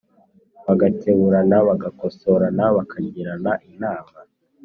bagakeburana: bagakosorana, bakagirana inama.